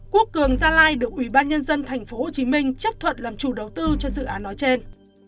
quốc cường gia lai được ủy ban nhân dân tp hcm chấp thuận làm chủ đầu tư cho dự án nói trên